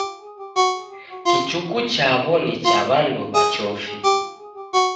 Kichuku chaw'o ni cha w'andu w'a chofi.